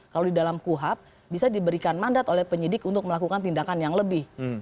kalau di dalam kuhap bisa diberikan mandat oleh penyidik untuk melakukan tindakan yang lebih